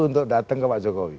untuk datang ke pak jokowi